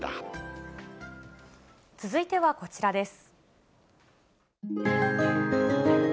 続いてはこちらです。